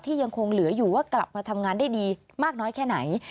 ยังคงเหลืออยู่ว่ากลับมาทำงานได้ดีมากน้อยแค่ไหน